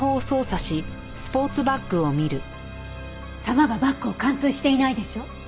弾がバッグを貫通していないでしょ？